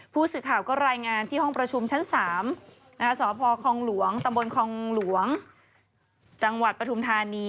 ผู้สืบข่าวก็ไรงานที่ห้องประชุมชั้น๓สพคลลวงตคลจประทพรธารีย์